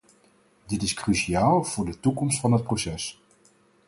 Dit is cruciaal voor de toekomst van het proces.